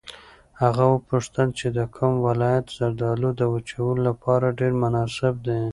هغه وپوښتل چې د کوم ولایت زردالو د وچولو لپاره ډېر مناسب دي.